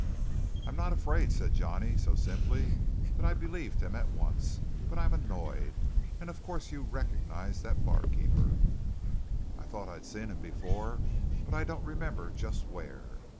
"I'm not afraid," said Johnny so simply that I believed him at once. "But I'm annoyed. And of course you recognized that barkeeper." "I thought I'd seen him before, but I don't remember just where."